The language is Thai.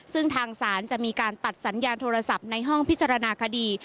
ซึ่งทางศาลจะมีการตัดสัญญาณโทรศัพท์ในห้องพิจารณาคดี